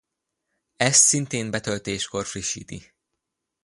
Ezt szintén betöltéskor frissíti.